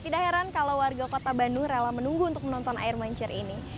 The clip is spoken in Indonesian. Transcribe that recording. tidak heran kalau warga kota bandung rela menunggu untuk menonton air mancur ini